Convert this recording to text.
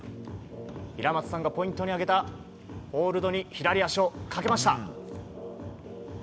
平松さんがポイントに挙げたホールドに足をかけました。